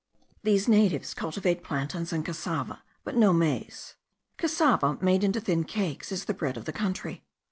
These natives cultivate plantains and cassava, but no maize. Cassava, made into thin cakes, is the bread of the country.